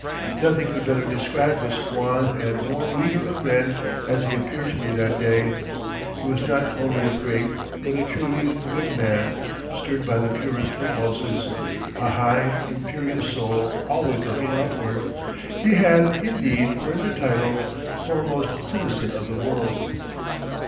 Nothing could better describe this wan and worn leader of men as he appeared to me that day. He was not only a great, but a truly good man, stirred by the purest impulses, a high, imperious soul always looking upward. He had, indeed, earned the title: "Foremost Citizen of the World."